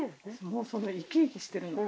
もうそれ生き生きしてるの。